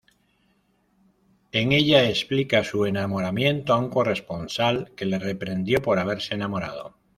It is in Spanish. En ella explica su enamoramiento a un corresponsal que le reprendió por haberse enamorado.